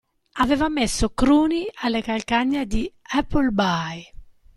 Aveva messo Cruni alle calcagna di Appleby!